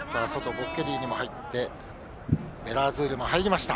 ボッケリーニも入ってヴェラアズールも入りました。